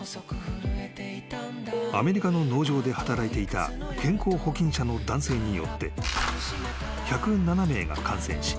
［アメリカの農場で働いていた健康保菌者の男性によって］